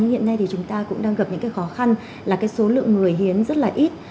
hiện nay thì chúng ta cũng đang gặp những cái khó khăn là cái số lượng người hiến rất là ít